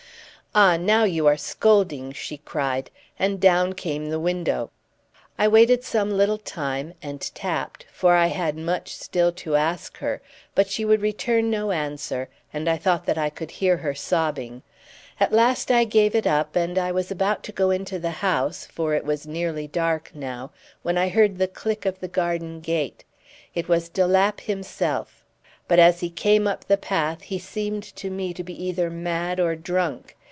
"Ah, now you are scolding!" she cried, and down came the window. I waited some little time, and tapped, for I had much still to ask her; but she would return no answer, and I thought that I could hear her sobbing. At last I gave it up; and I was about to go into the house, for it was nearly dark now, when I heard the click of the garden gate. It was de Lapp himself. But as he came up the path he seemed to me to be either mad or drunk.